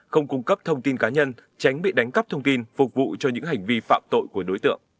không cung cấp thông tin cá nhân tránh bị đánh cắp thông tin phục vụ cho những hành vi phạm tội của đối tượng